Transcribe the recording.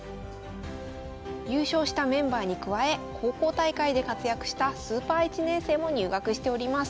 優勝したメンバーに加え高校大会で活躍したスーパー１年生も入学しております。